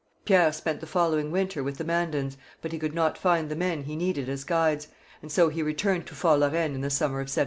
Pierre spent the following winter with the Mandans, but he could not find the men he needed as guides, and so he returned to Fort La Reine in the summer of 1741.